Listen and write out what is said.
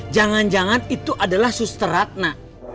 jangan jangan itu adalah susteratna